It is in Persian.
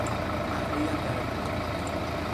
پهلویم درد میکند.